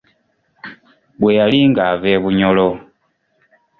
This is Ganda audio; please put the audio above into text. Bwe yali ng’ava e Bunyoro.